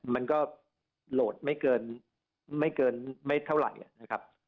มันก็โหลดไม่เกินไม่เกินไม่เท่าไหร่นะครับ